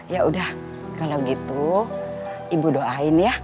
ya udah kalau gitu ibu doain ya